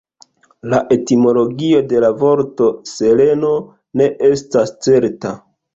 La etimologio de la vorto "Seleno" ne estas certa.